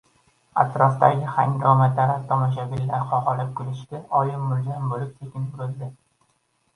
Atrofdagi hangomatalab tomoshabinlar xaxolab kulishdi. Oyim mulzam bo‘lib sekin burildi.